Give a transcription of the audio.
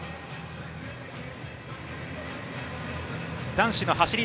男子の走り